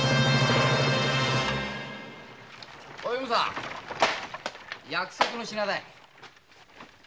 お弓さん約束の品だ。